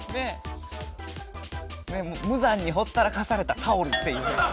むざんにほったらかされたタオルっていう。